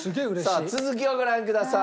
さあ続きをご覧ください。